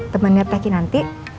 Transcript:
temennya teh kinanti